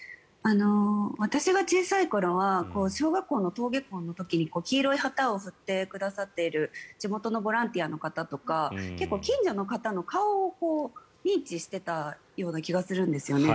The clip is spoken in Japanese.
私が小さい頃は小学校の登下校の時に黄色い旗を振ってくださっている地元のボランティアの方とか近所の人の顔を認知していたような気がするんですよね。